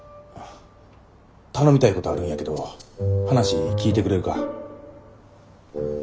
頼みたいことあるんやけど話聞いてくれるか？